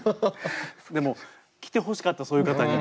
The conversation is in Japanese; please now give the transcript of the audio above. でも来てほしかったそういう方に。